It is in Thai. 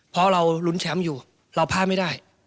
เพราะเรารุ้นแชมป์อยู่เราพลาดไม่ได้